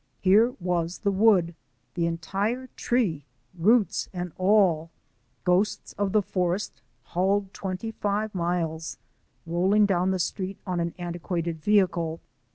Here was the wood — the entire tree, roots and all — ghosts of the forest hauled twenty five miles, rolling down the street on an antiquated vehicle.